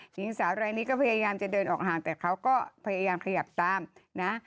หญิงสาวรายนี้ก็พยายามจะเดินออกห่างแต่เขาก็พยายามขยับตามนะ